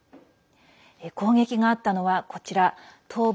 攻撃があったのは、こちら東部